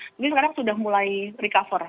mungkin sekarang sudah mulai recover